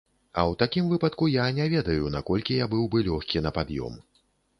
А ў такім выпадку я не ведаю, наколькі я быў бы лёгкі на пад'ём.